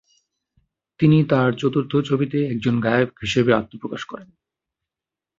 তিনি তার চতুর্থ ছবিতে একজন গায়ক হিসেবে আত্মপ্রকাশ করেন।